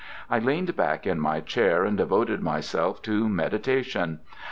I leaned back in my chair and devoted myself to meditation.